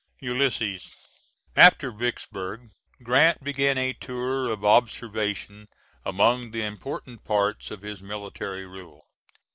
ULYSSES. [After Vicksburg, Grant began a tour of observation among the important parts of his military rule.